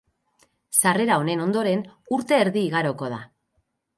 Sarrera honen ondoren urte erdi igaroko da.